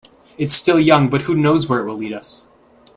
It's still young, but who knows where it will lead us.